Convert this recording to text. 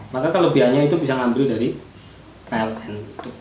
maka kalau biayanya itu bisa ngambil dari pln